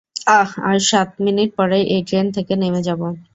আঃ, আর সাত মিনিট পরেই এই ট্রেন থেকে নেমে যাবো।